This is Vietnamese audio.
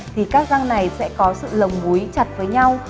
năm sáu bảy thì các răng này sẽ có sự lồng mũi chặt với nhau